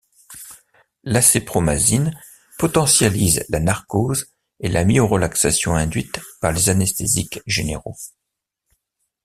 L'acépromazine potentialise la narcose et la myorelaxation induites par les anesthésiques généraux.